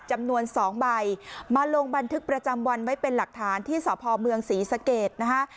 จำนวน๒ใบมาลงบันทึกประจำวันไว้เป็นหลักฐานที่สพเมืองศรีสะเกดนะคะ